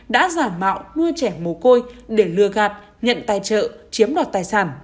đã giả mạo nuôi trẻ mồ côi để lừa gạt nhận tài trợ chiếm đọt tài sản